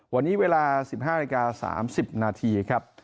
วันนี้เวลา๑๕นาฬิกา๓๐นาทีครับ